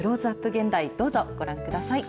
現代、どうぞ、ご覧ください。